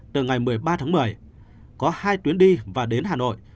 từ ngày một mươi ba tháng một mươi có hai tuyến đi và đến hà nội